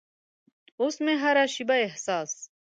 اوس مې هره شیبه احساس